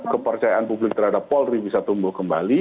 kepercayaan publik terhadap polri bisa tumbuh kembali